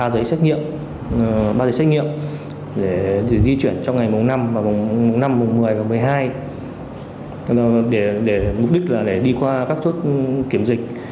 ba giấy xét nghiệm để di chuyển trong ngày mùng năm mùng một mươi và mùng một mươi hai để mục đích là để đi qua các chốt kiểm dịch